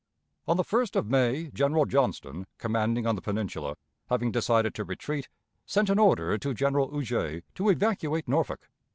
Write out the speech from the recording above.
On the 1st of May General Johnston, commanding on the Peninsula, having decided to retreat, sent an order to General Huger to evacuate Norfolk.